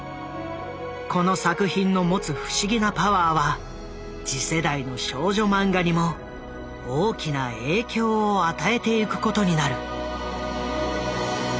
この作品の持つ不思議なパワーは次世代の少女マンガにも大きな影響を与えてゆくことになる。